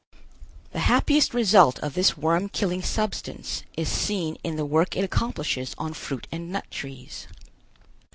The happiest result of this worm killing substance is seen in the work it accomplishes on fruit and nut trees.